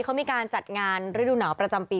เขามีการจัดงานฤดูหนาวประจำปี